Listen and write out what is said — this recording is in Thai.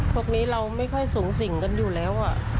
พวกนี้เราไม่ค่อยสูงสิงกันอยู่แล้ว